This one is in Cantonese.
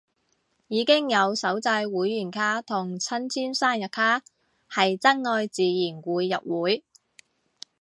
已經有手製會員卡同親簽生日卡，係真愛自然會入會